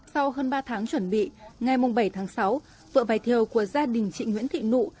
sau hơn ba tháng chuẩn bị ngày bảy tháng sáu vựa vải thiều của gia đình chị nguyễn thị nụ